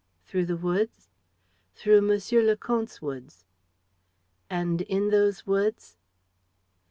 "Through the woods?" "Through Monsieur le Comte's woods." "And in those woods